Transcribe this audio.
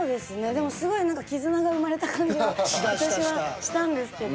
でもすごい何か感じは私はしたんですけど。